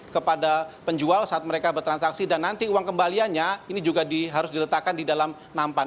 kepada penjual saat mereka bertransaksi dan nanti uang kembaliannya ini juga harus diletakkan di dalam nampan